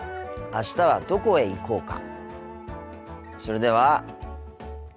あしたはどこへ行こうか？